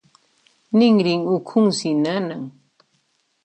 Ninrin ukhunsi nanan.